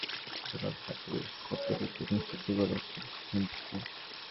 বিশ্ব সাঁতারের নিয়ন্ত্রক সংস্থা ফিনা গতকাল সাত রুশ সাঁতারুকে নিষিদ্ধ করেছে অলিম্পিকে।